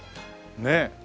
ねえ。